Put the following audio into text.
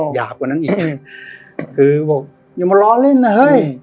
หยาบกว่านั้นอีกคือบอกอย่ามาล้อเล่นนะเฮ้ย